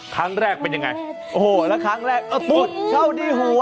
ครั้งแรกเป็นยังไงโอ้โหแล้วครั้งแรกก็ปวดเข้าที่หัว